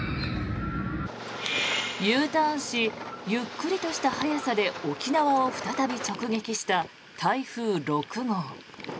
Ｕターンしゆっくりとした速さで沖縄を再び直撃した台風６号。